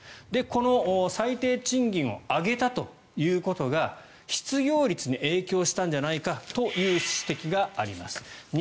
この最低賃金を上げたということが失業率に影響したんじゃないかという指摘があります。